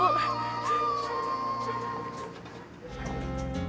buat makan pelanggan nanti malam